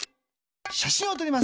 しゃしんをとります。